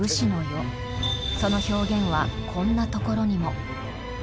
その表現はこんなところにも。